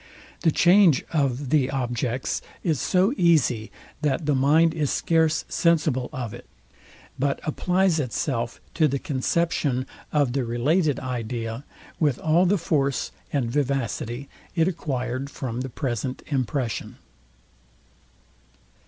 The change of the objects is so easy, that the mind is scarce sensible of it, but applies itself to the conception of the related idea with all the force and vivacity it acquired from the present impression.